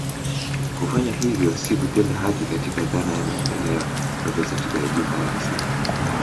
Kufanya hivyo si kutenda haki katika dhana ya maendeleo Profesa Tibaijuka alisema